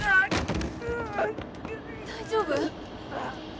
大丈夫？